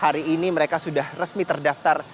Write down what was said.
hari ini mereka sudah resmi terdaftar